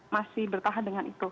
masih bertahan dengan itu